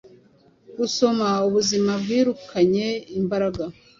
Gusoma ubuzima bwirukanye imbaraga